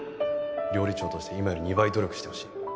料理長として今より２倍努力してほしい。